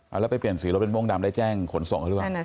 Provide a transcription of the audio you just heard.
แล้วไปเปลี่ยนสีรถเป็นม่วงดำได้แจ้งขนส่งเขาหรือเปล่า